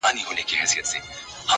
قاضي صاحبه ملامت نه یم; بچي وږي وه;